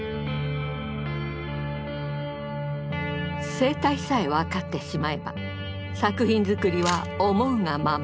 生態さえ分かってしまえば作品作りは思うがまま。